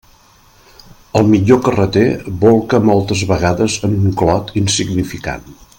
El millor carreter bolca moltes vegades en un clot insignificant.